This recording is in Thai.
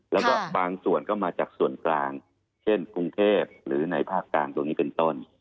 แล้วก็บางส่วนก็มาจากส่วนกลางเช่นกรุงเทพหรือในภาคกลางตรงนี้เป็นต้น